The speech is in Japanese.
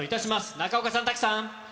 中岡さん、滝さん。